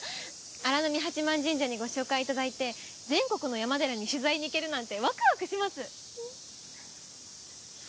荒波八幡神社にご紹介頂いて全国の山寺に取材に行けるなんてワクワクします！